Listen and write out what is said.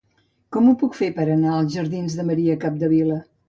Com ho puc fer per anar als jardins de Maria Capdevila?